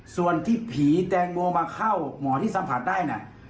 ส่วนที่ผีแตงโมมาเข้าหมอที่สัมผัสได้น่ะ